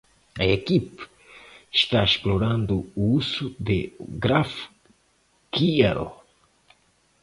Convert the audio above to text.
A equipe está explorando o uso de GraphQL.